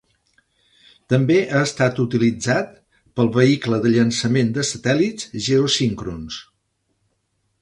També ha estat utilitzat pel vehicle de llançament de satèl·lits geosíncrons.